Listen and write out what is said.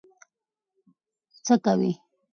څه کوې؟